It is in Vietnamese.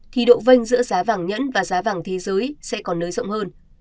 thì độ vanh giữa giá vàng nhẫn và giá vàng thế giới sẽ còn nới rộng hơn